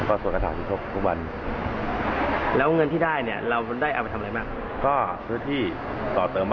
ก็ยังค้าขายเหมือนเดิมครับอยู่ในวัดเหมือนเดิม